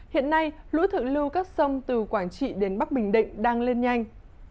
hiện nay lũ thượng lưu các sông từ quảng trị đến bắc bình định đang lên nhanh